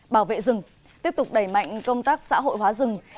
bảo vệ rừng tiếp tục đẩy mạnh công tác xã hội hóa rừng